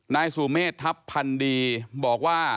นายสุเมฆทัพพันดีบอกว่า